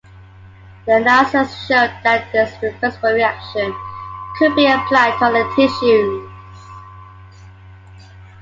Their analysis showed that this reversible reaction could be applied to other tissues.